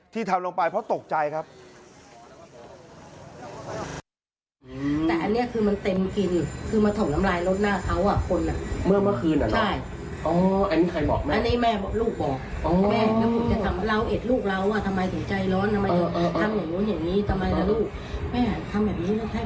ทำลงไปเพราะตกใจครับ